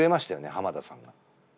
浜田さんが。